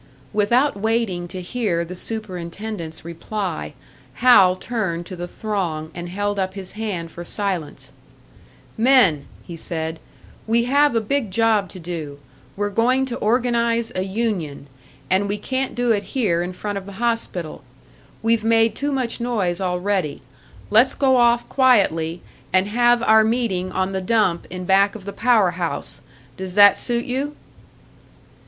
Without waiting to hear the superintendent's reply, Hal turned to the throng, and held up his hand for silence. "Men," he said, "we have a big job to do we're going to organise a union. And we can't do it here in front of the hospital. We've made too much noise already. Let's go off quietly, and have our meeting on the dump in back of the power house. Does that suit you?"